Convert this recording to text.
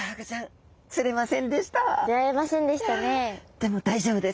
でも大丈夫です。